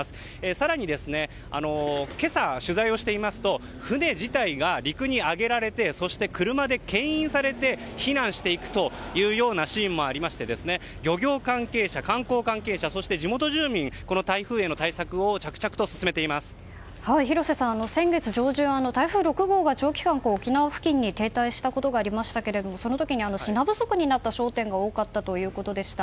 更に今朝、取材をしていますと船自体が陸に揚げられてそして車で牽引されて避難していくというシーンもありまして漁業関係者、観光関係者そして地元住民台風への対策を広瀬さん、先月上旬台風６号が長期間沖縄付近に停滞したことがありましたけれどもその時に品不足になった商店が多かったということでした。